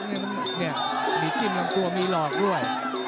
นี่มีจิ้มลำตัวมีหลอกด้วย